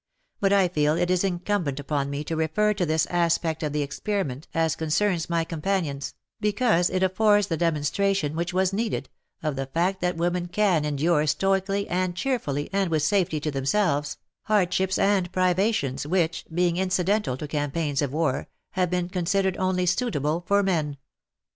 But I feel it is encumbent upon me to refer to this aspect of the experiment as concerns my companions, because it affords the demon stration which was needed, of the fact that women can endure stoically and cheerfully and with safety to themselves, hardships and priva tions which, being incidental to campaigns of war, have been considered only suitable for men.